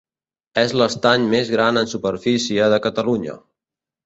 És l'estany més gran en superfície de Catalunya.